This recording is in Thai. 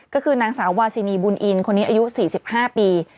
ก็คือนางสาววาซินีบุญอินคนนี้อายุ๔๕ปี